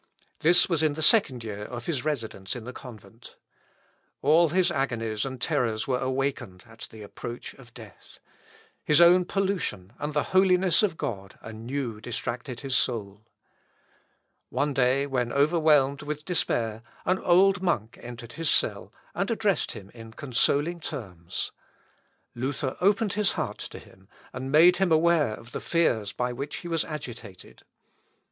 This was in the second year of his residence in the convent. All his agonies and terrors were awakened at the approach of death. His own pollution and the holiness of God anew distracted his soul. One day, when overwhelmed with despair, an old monk entered his cell, and addressed him in consoling terms. Luther opened his heart to him, and made him aware of the fears by which he was agitated.